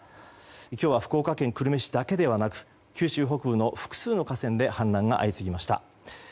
今日は福岡県久留米市だけではなく九州北部の複数の河川で氾濫が相次ぎました。